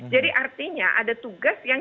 jadi artinya ada tugas yang